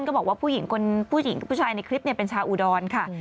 ก็บอกว่าผู้หญิงผู้ชายในคลิปเป็นชาวอุดรค่ะ